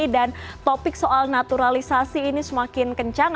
dan topik soal naturalisasi ini semakin kencang